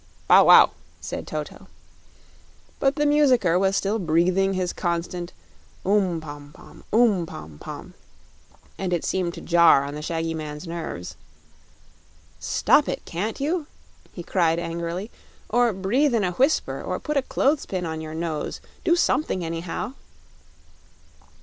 "Bow wow!" said Toto. But the musicker was still breathing his constant Oom, pom pom; Oom pom pom and it seemed to jar on the shaggy man's nerves. "Stop it, can't you?" he cried angrily; "or breathe in a whisper; or put a clothes pin on your nose. Do something, anyhow!"